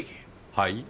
はい？